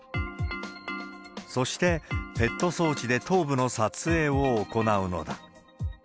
そして、ＰＥＴ装置で頭部の撮影を行うのだ。